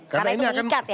karena itu mengikat ya